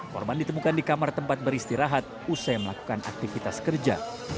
korban ditemukan di kamar tempat beristirahat usai melakukan aktivitas kerja